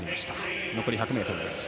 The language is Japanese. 残り１００ｍです。